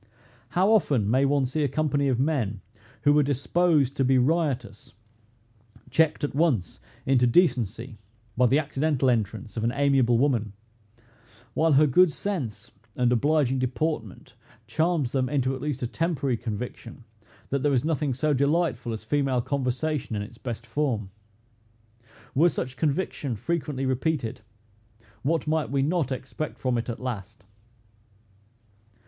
How often may one see a company of men, who were disposed to be riotous, checked at once into decency by the accidental entrance of an amiable woman; while her good sense and obliging deportment charms them into at least a temporary conviction, that there is nothing so delightful as female conversation, in its best form! Were such conviction frequently repeated, what might we not expect from it at last?